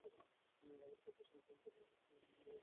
আবার করপোরেশনের পাম্প চললে এলাকার কোনো নলকূপ থেকেই পানি ওঠে না।